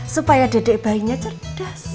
supaya dedek bayinya cerdas